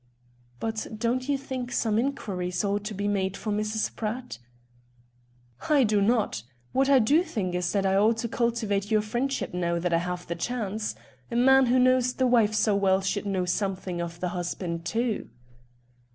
"But don't you think some inquiries ought to be made for Mrs. Pratt?" "I do not. What I do think is that I ought to cultivate your friendship now that I have the chance. A man who knows the wife so well should know something of the husband too."